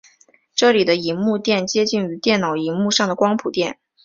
这里的萤幕靛接近于电脑萤幕上的光谱靛。